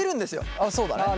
ああそうだね。